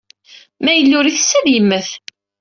Ma yella ur ittess, ad yemmet.